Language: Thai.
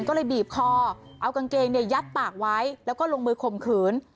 ก็เลยบีบคอเอากางเกงยัดปากไว้แล้วก็ลงมือข่มขืน